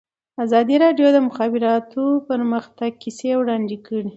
ازادي راډیو د د مخابراتو پرمختګ کیسې وړاندې کړي.